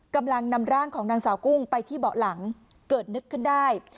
กำลังนำร่างของนางสาวกุ้งไปที่เบาะหลังเกิดนึกขึ้นได้